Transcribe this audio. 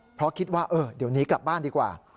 เพราะคิดว่าเดี๋ยวนี้กลับบ้านดีกว่า